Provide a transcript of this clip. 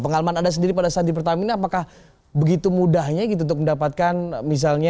pengalaman anda sendiri pada saat di pertamina apakah begitu mudahnya gitu untuk mendapatkan misalnya